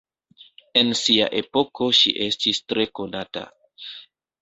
En sia epoko ŝi estis tre konata.